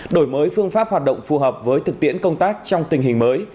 đổi mới phương pháp hoạt động phù hợp với thực tiễn công tác trong tình hình mới